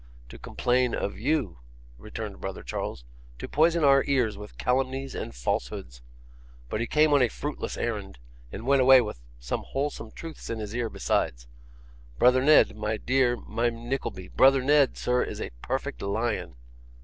'To complain of you,' returned brother Charles, 'to poison our ears with calumnies and falsehoods; but he came on a fruitless errand, and went away with some wholesome truths in his ear besides. Brother Ned, my dear Mr. Nickleby brother Ned, sir, is a perfect lion.